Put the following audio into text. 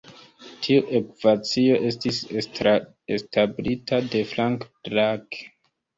Tiu ekvacio estis establita de Frank Drake.